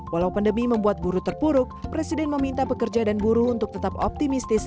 walau pandemi membuat buruh terpuruk presiden meminta pekerja dan buruh untuk tetap optimistis